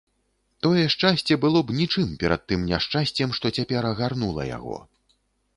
Тое шчасце было б нічым перад тым няшчасцем, што цяпер агарнула яго.